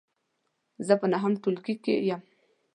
زه په نهم ټولګې کې یم .